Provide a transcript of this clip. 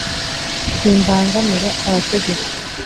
simbangamira abategetsi